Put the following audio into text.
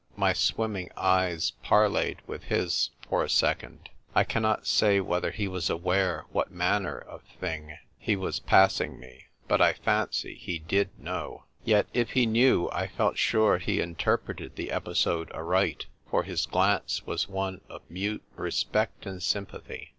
My swimming eyes par ' leyed with his for a second. I cannot say whether he was aware what manner of thing 1 su^^iU^^iiimMSM 132 THE TYPE WRITER GIRL. he was passing me ; but I fancy he did know. Yet if he knew I felt sure he interpreted the episode aright, for his glance was one of mute respect and symi)at]iy.